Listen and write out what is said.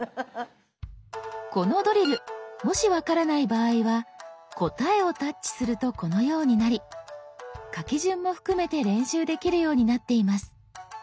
このドリルもし分からない場合は「答え」をタッチするとこのようになり書き順も含めて練習できるようになっています。